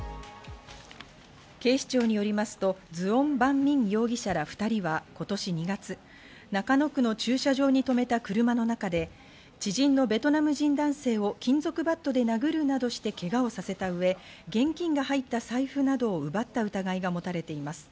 警視庁によりますと、ズオン・バン・ミン容疑者ら２人は今年２月、中野区の駐車場にとめた車の中で、知人のベトナム人男性を金属バットで殴るなどして、けがをさせたうえ、現金が入った財布などを奪った疑いが持たれています。